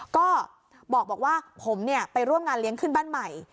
ก็บอกว่าผมไปร่วมงานเลี้ยงขึ้นบ้านใหม่